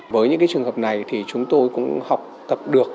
với những trường hợp này thì chúng tôi cũng học tập được